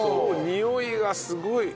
においがすごい。